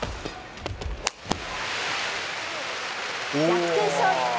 逆転勝利。